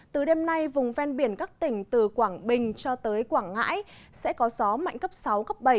từ đêm nay vùng ven biển các tỉnh từ quảng bình cho tới quảng ngãi sẽ có gió mạnh cấp sáu cấp bảy